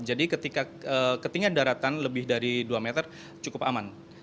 jadi ketika daratan lebih dari dua meter cukup aman